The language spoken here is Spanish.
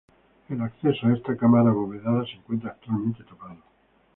El acceso a esta cámara abovedada se encuentra actualmente tapado.